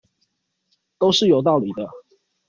都是有道理的